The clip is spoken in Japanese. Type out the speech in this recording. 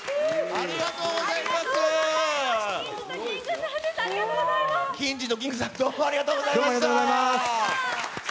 ありがとうございます！